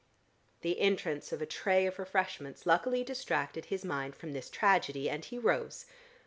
The entrance of a tray of refreshments luckily distracted his mind from this tragedy, and he rose.